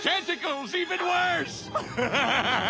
ウハハハハ！